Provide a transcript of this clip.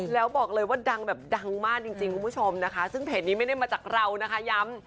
แล้วบอกเลยว่าดังแบบดังมากจริงคุณผู้ชมนะคะซึ่งเพจนี้ไม่ได้มาจากเรานะคะย้ำ